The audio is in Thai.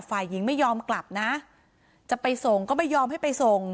ฝ่ายหญิงไม่ยอมกลับนะจะไปส่งก็ไม่ยอมให้ไปส่ง